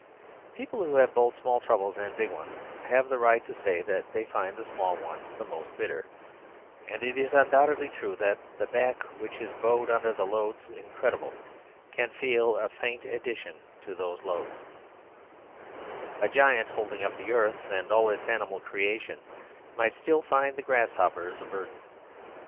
People who have both small troubles and big ones have the right to say that they find the small ones the most bitter; and it is undoubtedly true that the back which is bowed under loads incredible can feel a faint addition to those loads; a giant holding up the earth and all its animal creation might still find the grasshopper a burden.